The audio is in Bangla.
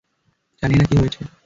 জানি না কী হয়েছে!